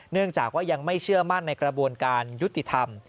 เนื่องจากว่ายังไม่เชื่อมั่นในกระบวนการยุติธรรม